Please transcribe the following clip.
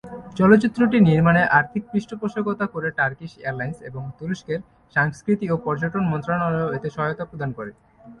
চলচ্চিত্রটি নির্মাণে আর্থিক পৃষ্ঠপোষকতা করে টার্কিশ এয়ারলাইন্স, এবং তুরস্কের সংস্কৃতি ও পর্যটন মন্ত্রণালয়-ও এতে সহায়তা প্রদান করে।